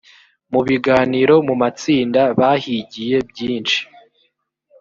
mu biganiro mu matsinda bahigiye byinshi